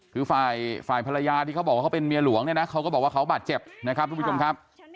คือฝ่ายภรรยาที่เขาบอกว่าเขาเป็นเมียหลวงเนี่ยนะเขาก็บอกว่าเขาบาดเจ็บนะครับทุกผู้ชมครับ